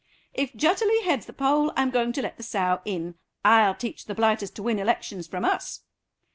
"If Jutterly heads the poll I'm going to let the sow in. I'll teach the blighters to win elections from us."